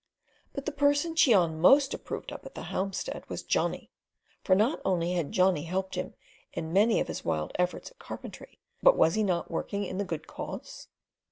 But the person Cheon most approved of at the homestead was Johnny; for not only had Johnny helped him in many of his wild efforts at carpentry, but was he not working in the good cause?